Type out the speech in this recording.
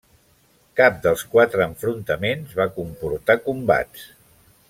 Cap dels quatre enfrontaments va comportar combats.